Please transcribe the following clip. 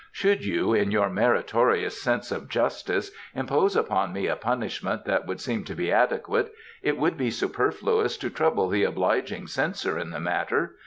Should you, in your meritorious sense of justice, impose upon me a punishment that would seem to be adequate, it would be superfluous to trouble the obliging Censor in the matter.